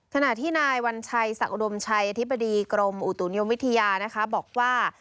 ขณะที่นายวัญชัยศักดิอุดมชัยอธิบดีกรมอุตุนิยมวิทยานะคะบอกว่า